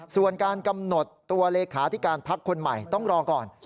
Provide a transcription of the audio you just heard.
ส่วนการกำหนดตัวเลขาธิการพักคนใหม่ต้องรอก่อน